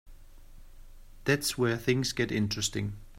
That's where things get interesting.